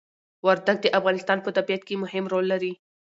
وردګ د افغانستان په طبيعت کي مهم ړول لري